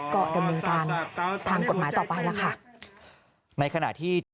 ก็จะมีการทางกฎหมายต่อไปแล้วค่ะ